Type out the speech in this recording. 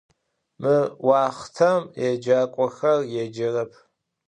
Mı vuaxhtem yêcak'oxer yêcerep.